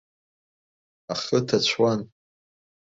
Ахы ҭацәуан.